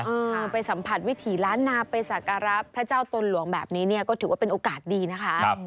เออไปสัมผัสวิถีล้านนาไปสักการะพระเจ้าตนหลวงแบบนี้เนี่ยก็ถือว่าเป็นโอกาสดีนะคะ